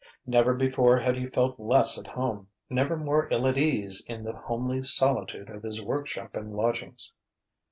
Never before had he felt less at home, never more ill at ease in the homely solitude of his workshop and lodgings.